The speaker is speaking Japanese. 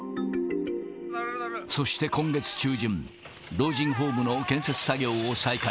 そして今月中旬、老人ホームの建設作業を再開。